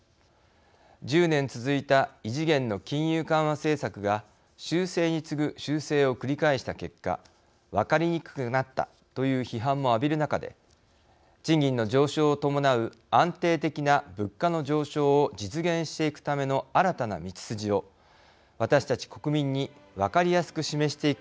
１０年続いた異次元の金融緩和政策が修正に次ぐ修正を繰り返した結果分かりにくくなったと批判も浴びる中で賃金の上昇を伴う安定的な物価の上昇を実現していくための新たな道筋を私たち国民に分かりやすく